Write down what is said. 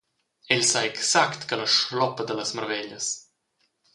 El sa exact ch’ella schloppa dallas marveglias.